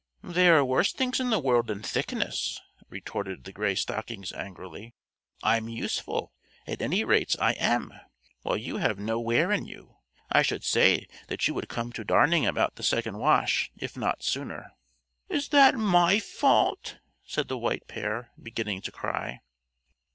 "There are worse things in the world than thickness," retorted the Gray Stockings angrily. "I'm useful, at any rate, I am, while you have no wear in you. I should say that you would come to darning about the second wash, if not sooner." "Is that my fault?" said the White Pair, beginning to cry.